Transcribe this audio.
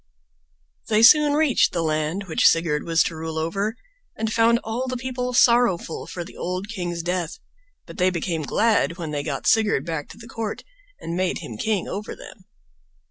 They soon reached the land which Sigurd was to rule over, and found all the people sorrowful for the old king's death, but they became glad when they got Sigurd back to the court, and made him king over them.